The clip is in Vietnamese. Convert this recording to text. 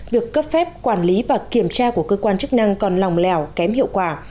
việc cấp phép quản lý và kiểm tra của cơ quan chức năng còn lòng lẻo kém hiệu quả